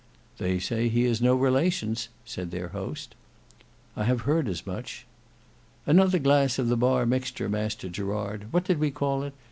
"They say he has no relations," said their host. "I have heard as much." "Another glass of the bar mixture, Master Gerard. What did we call it?